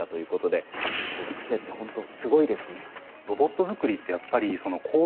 小学生ってほんとすごいですね。